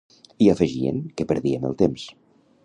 I afegien que perdíem el temps.